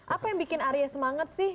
apa yang bikin arya semangat sih